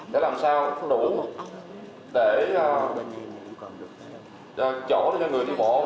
để làm sao đủ để chỗ cho người đi bộ